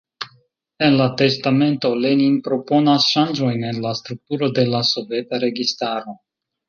En la testamento, Lenin proponas ŝanĝojn en la strukturo de la soveta registaro.